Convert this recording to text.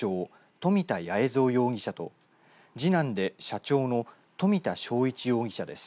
富田八重三容疑者と次男で社長の富田生一容疑者です。